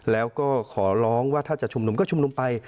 แล้วก็ขอร้องว่าถ้าจะชุมนุมก็ชุมนุมไป